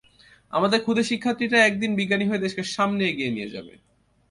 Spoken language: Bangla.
আমাদের খুদে শিক্ষার্থীরা একদিন বিজ্ঞানী হয়ে দেশকে সামনে এগিয়ে নিয়ে যাবে।